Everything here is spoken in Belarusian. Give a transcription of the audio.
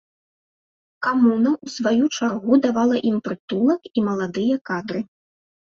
Камуна ў сваю чаргу давала ім прытулак і маладыя кадры.